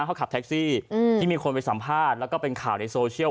เขาขับแท็กซี่ที่มีคนไปสัมภาษณ์แล้วก็เป็นข่าวในโซเชียล